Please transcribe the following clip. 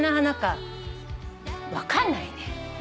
分かんないね。